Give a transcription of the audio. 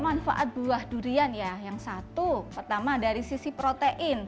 manfaat buah durian ya yang satu pertama dari sisi protein